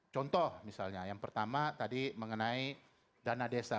contoh misalnya yang pertama tadi mengenai dana desa